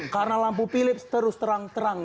karena lampu philips terus terang terang